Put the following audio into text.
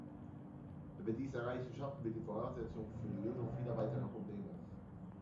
Wenn wir dies erreichen, schaffen wir die Voraussetzung für die Lösung vieler weiterer Probleme.